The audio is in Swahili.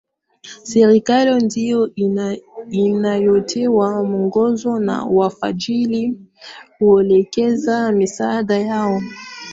Serikali ndiyo inayotoa mwongozo na wafadhili huelekeza misaada yao